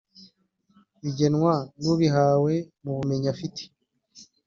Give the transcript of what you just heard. bigenwa n’ubihawe mu bumenyi afite